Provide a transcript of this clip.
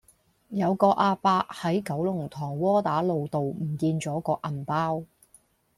有個亞伯喺九龍塘窩打老道唔見左個銀包